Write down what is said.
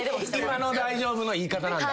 今の「大丈夫」の言い方なんだ